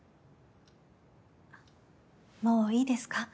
もういいですか？